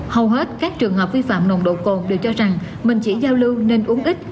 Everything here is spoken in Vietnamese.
hầu hết các trường hợp vi phạm nồng độ cồn đều cho rằng mình chỉ giao lưu nên uống ít